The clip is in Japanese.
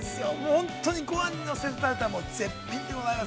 本当にご飯に乗せて食べたら、絶品でございます。